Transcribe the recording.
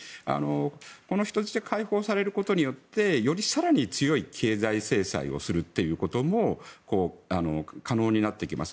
この人質が解放されることによってより更に強い経済制裁をするということも可能になってきます。